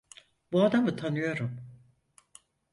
Bu adamı tanıyorum.